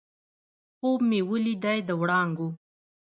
خوب مې ولیدی د وړانګو